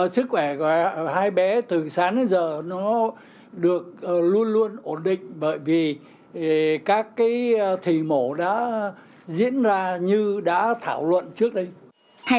sức khỏe của hai bé từ sáng đến giờ nó được luôn luôn ổn định bởi vì các cái thầy mổ đã diễn ra như đã thảo luận trước đây